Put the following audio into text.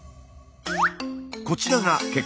こちらが結果です。